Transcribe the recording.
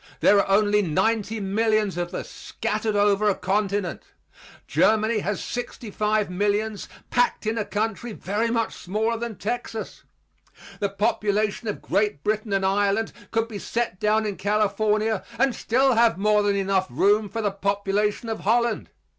There are only ninety millions of us, scattered over a continent. Germany has sixty five millions packed in a country very much smaller than Texas. The population of Great Britain and Ireland could be set down in California and still have more than enough room for the population of Holland.